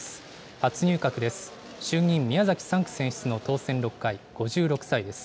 初入閣です。